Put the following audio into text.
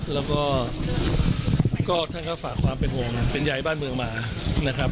แล้วก็ท่านก็ฝากความเป็นห่วงเป็นใยบ้านเมืองมานะครับ